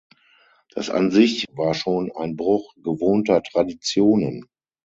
Das an sich war schon ein Bruch gewohnter Traditionen.